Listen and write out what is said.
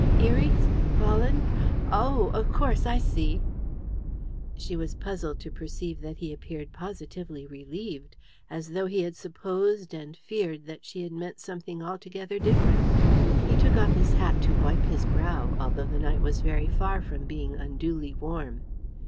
"Eries? Fallen? Oh! of course! I see!" She was puzzled to perceive that he appeared positively relieved, as though he had supposed and feared that she had meant something altogether different. He took off his hat to wipe his brow, although the night was very far from being unduly warm.